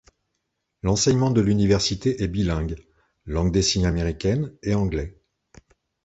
L'enseignement de l'université est bilingue, langue des signes américaine et anglais.